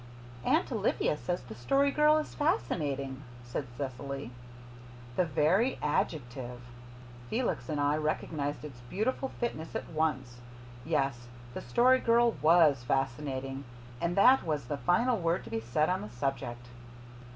"Aunt Olivia says the Story Girl is fascinating," said Cecily. The very adjective! Felix and I recognized its beautiful fitness at once. Yes, the Story Girl WAS fascinating and that was the final word to be said on the subject.